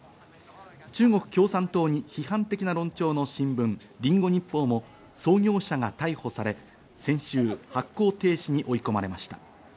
中国共産党に批判的な論調の新聞、リンゴ日報も創業者が逮捕され、先週、発行停止に追い込まれました。